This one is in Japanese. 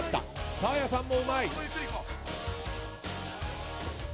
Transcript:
サーヤさんもうまい！